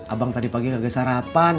abang tadi pagi gak ada sarapan